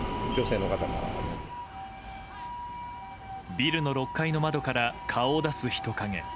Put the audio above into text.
ビルの６階の窓から顔を出す人影。